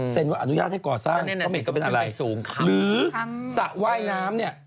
เซ็นว่าอนุญาตให้ก่อสร้างก็เป็นอะไรหรือสระว่ายน้ำเนี่ย